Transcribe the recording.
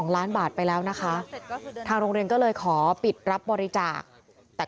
ล้านบาทไปแล้วนะคะทางโรงเรียนก็เลยขอปิดรับบริจาคแต่